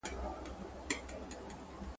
هره هڅه که کوچنۍ هم وي انسان ته تجربه او پوهي l